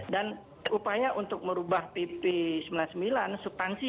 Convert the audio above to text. dan upaya untuk merubah pp sembilan puluh sembilan supaya itu bisa dihubungkan dengan kejahatan yang berbahaya gitu